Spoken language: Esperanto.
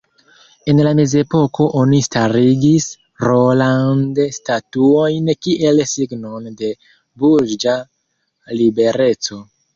En la mezepoko oni starigis roland-statuojn kiel signon de burĝa libereco.